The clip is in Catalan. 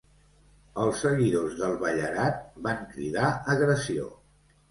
Els seguidors del Ballarat van cridar agressió.